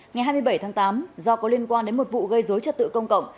ngày hai mươi bảy tháng tám do có liên quan đến một vụ gây dối trật tự công cộng